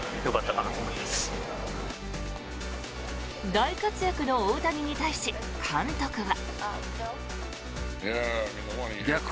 大活躍の大谷に対し監督は。